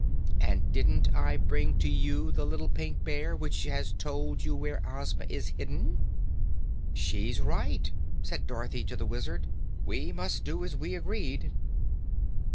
And didn't I bring to you the little Pink Bear, which has told you where Ozma is hidden?" "She's right," said Dorothy to the Wizard. "We must do as we agreed."